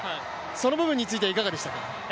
その辺りについてはいかがですか？